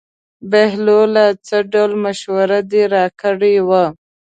بهلوله څه ډول مشوره دې راکړې وه.